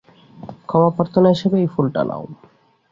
ক্ষমাপ্রার্থনা হিসেবে এই ফুলটা নাও।